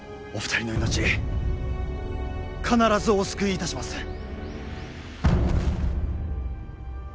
お二人の命必ずお救いいたします。